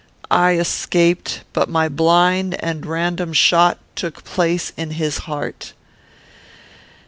I escaped, but my blind and random shot took place in his heart.